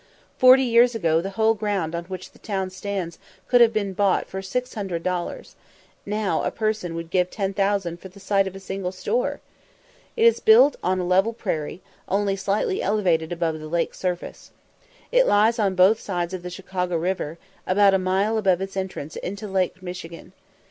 Forty years ago the whole ground on which the town stands could have been bought for six hundred dollars; now, a person would give ten thousand for the site of a single store. It is built on a level prairie, only slightly elevated above the lake surface. It lies on both sides of the Chicago river, about a mile above its entrance into Lake Michigan.